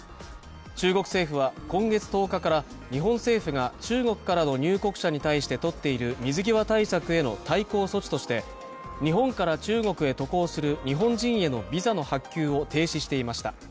中国政府は今月１０日から日本政府が中国からの入国者に対してとっている水際対策への対抗措置として、日本から中国へ渡航する日本人へのビザの発給を停止していました。